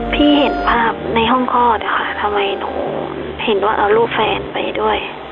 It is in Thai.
พี่เห็นภาพในห้องคลอดอะค่ะทำไมหนูเห็นว่าเอารูปแฟนไปด้วย